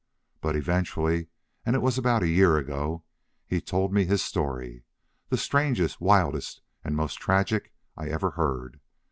But eventually, and it was about a year ago, he told me his story the strangest, wildest, and most tragic I ever heard.